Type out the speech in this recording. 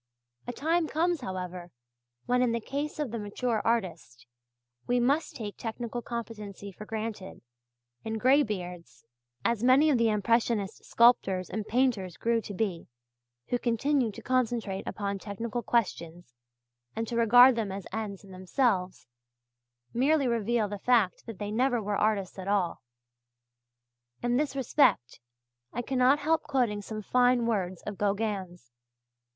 A time comes, however, when in the case of the mature artist, we must take technical competency for granted, and graybeards, as many of the impressionist sculptors and painters grew to be, who continue to concentrate upon technical questions and to regard them as ends in themselves, merely reveal the fact that they never were artists at all. In this respect I cannot help quoting some fine words of Gauguin's.